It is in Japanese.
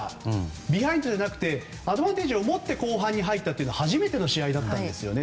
ビハインドじゃなくてアドバンテージを持って後半に入ったというのは初めての試合だったんですね。